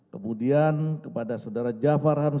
kemudian kepada saudara melkias marcus mekeng